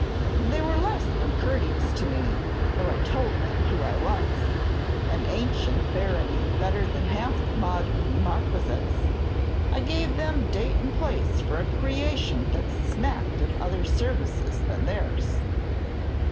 They were less than courteous to me, though I told them who I was, an ancient barony better than half the modern marquisates. I gave them date and place for a creation that smacked of other services than theirs.